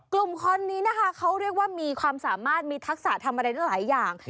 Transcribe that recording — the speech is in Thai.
กลุ่มคนนี้นะคะเขาเรียกว่ามีความสามารถมีทักษะทำอะไรได้หลายอย่าง